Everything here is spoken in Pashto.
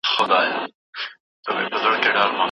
چي له لیري مي ږغ نه وي اورېدلی